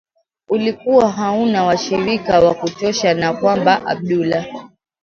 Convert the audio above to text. ulikuwa hauna washirika wa kutosha na kwamba Abdullah